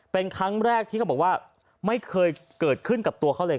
เป็นครั้งแรกที่เขาบอกว่าไม่เคยเกิดขึ้นกับตัวเขาเลย